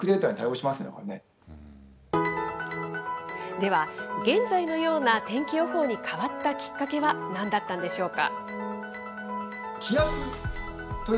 では、現在のような天気予報に変わったきっかけはなんだったんでしょうか。